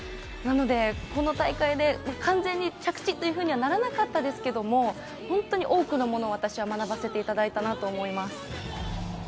なのでこの大会で完全に着地とはならなかったんですけど本当に多くのものを学ばせていただいたなと思います。